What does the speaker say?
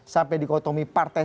sampai dikotomi partai